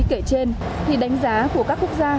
kể trên thì đánh giá của các quốc gia